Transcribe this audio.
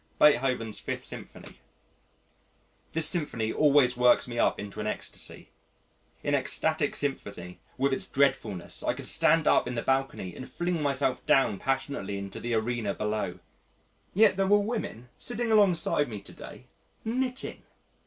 Beethoven's Fifth Symphony This symphony always works me up into an ecstasy; in ecstatic sympathy with its dreadfulness I could stand up in the balcony and fling myself down passionately into the arena below. Yet there were women sitting alongside me to day knitting!